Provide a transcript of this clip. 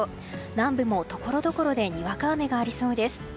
南部もところどころでにわか雨がありそうです。